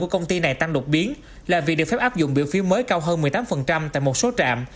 của công ty này tăng đột biến là việc được phép áp dụng biểu phiếu mới cao hơn một mươi tám tại một số trạm